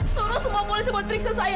suruh semua boleh buat periksa saya